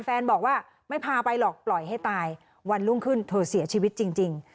บอกว่าไม่พาไปหรอกปล่อยให้ตายวันรุ่งขึ้นเธอเสียชีวิตจริง